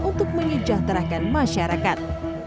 untuk menyejahterakan masyarakat